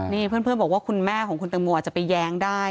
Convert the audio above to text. นี่เพื่อนบอกว่าคุณแม่ของคุณตังโมอาจจะไปแย้งได้